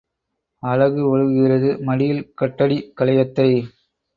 அழகு ஒழுகுகிறது, மடியில் கட்டடி கலயத்தை.